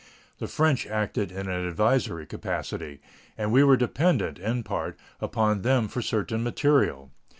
The French acted in an advisory capacity, and we were dependent, in part, upon them for certain material.